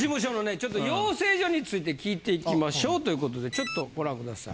ちょっと養成所について聞いていきましょうという事でちょっとご覧ください。